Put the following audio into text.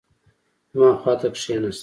زما خوا ته کښېناست.